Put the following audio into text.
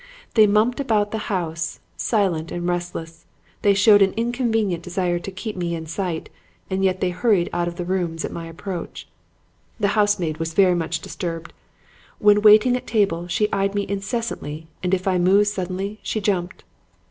They mumped about the house, silent and restless; they showed an inconvenient desire to keep me in sight and yet they hurried out of the rooms at my approach. "The housemaid was very much disturbed. When waiting at table, she eyed me incessantly and if I moved suddenly she jumped.